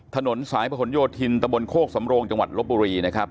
ถนนสายผนโยธินตะบนโคกสำโรงจังหวัดลบบุรีนะครับ